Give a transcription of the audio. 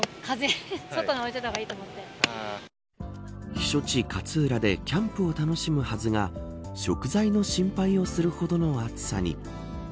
避暑地、勝浦でキャンプを楽しむはずが食材の心配をするほどの暑さに。